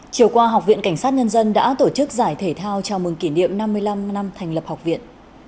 chiều qua học viện cảnh sát nhân dân đã tổ chức giải thể thao chào mừng kỷ niệm năm mươi năm năm thành lập học viện